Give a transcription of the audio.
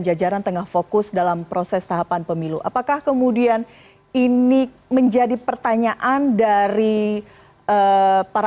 jajaran tengah fokus dalam proses tahapan pemilu apakah kemudian ini menjadi pertanyaan dari para